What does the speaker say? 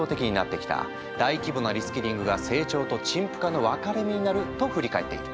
大規模なリスキリングが成長と陳腐化の分かれ目になる」と振り返っている。